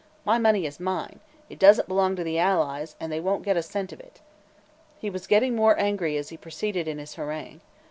My money is mine; it doesn't belong to the Allies, and they won't get a cent of it." He was getting more angry as he proceeded in his harangue.